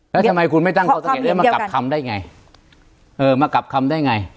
แล้วทำไมคุณไม่ตั้งเขาตัวเองมากลับคำได้ไง